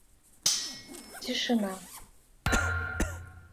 тишина